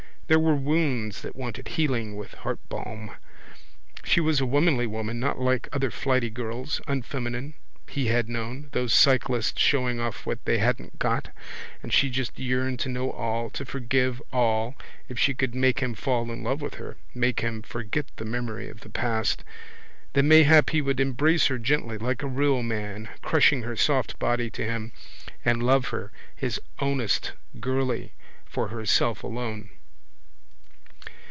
There were wounds that wanted healing with heartbalm. She was a womanly woman not like other flighty girls unfeminine he had known, those cyclists showing off what they hadn't got and she just yearned to know all, to forgive all if she could make him fall in love with her, make him forget the memory of the past. Then mayhap he would embrace her gently, like a real man, crushing her soft body to him, and love her, his ownest girlie, for herself alone.